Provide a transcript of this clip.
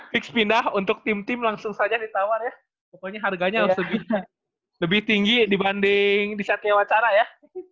fix pindah untuk tim tim langsung saja ditawar ya pokoknya harganya lebih tinggi dibanding di saatnya wacara ya